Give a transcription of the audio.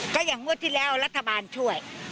ก็อย่างงวดที่แล้วรัฐบาลช่วย